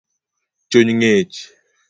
Chuny ngich